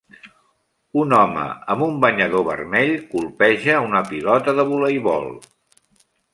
Un home amb un banyador vermell colpeja una pilota de voleibol.